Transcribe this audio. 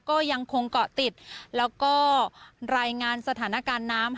ก็ยังคงเกาะติดแล้วก็รายงานสถานการณ์น้ำ